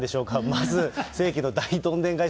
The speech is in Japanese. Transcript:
まず世紀の大どんでん返し